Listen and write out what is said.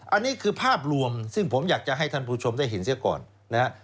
อันนี้คือภาพรวมซึ่งผมอยากจะให้ท่านผู้ชมได้เห็นเสียก่อนนะฮะ